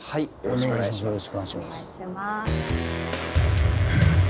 よろしくお願いします。